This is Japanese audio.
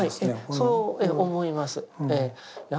そう思います。